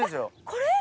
これ？